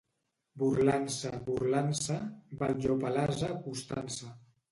Burlant-se, burlant-se, va el llop a l'ase acostant-se.